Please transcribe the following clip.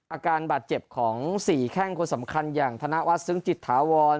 อาการบาดเจ็บของ๔แข้งคนสำคัญอย่างธนวัฒนซึ้งจิตถาวร